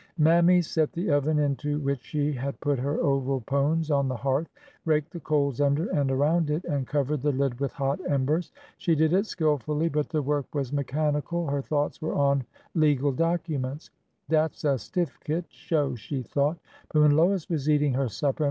Mammy set the oven into which she had put her oval pones on the hearth, raked the coals under and around it, and covered the lid with hot embers. She did it skilfully, but the work was i^echanical. Her thoughts were on legal documents. Dat 's a stiffkit, sho'," she thought. But when Lois was eating her supper.